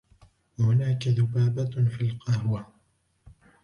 هناك ذبابة في القهوة.